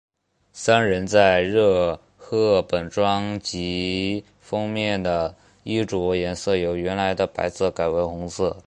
三人在热贺本专辑封面的衣着颜色由原来的白色改为红色。